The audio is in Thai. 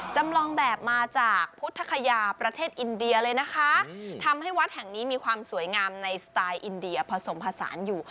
จำลองแบบมาจากพุทธคยาประเทศอินเดียเลยนะคะทำให้วัดแห่งนี้มีความสวยงามในสไตล์อินเดียผสมผสานอยู่